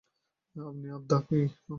আপনিও আন্ধা নাকি?